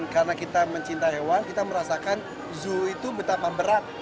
karena kita mencinta hewan kita merasakan zoo itu betapa berat